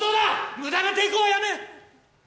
無駄な抵抗は止め。